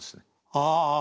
ああ。